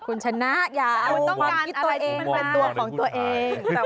คุณชนะอย่าเอาต้องการอะไรที่มันเป็นตัวของตัวเอง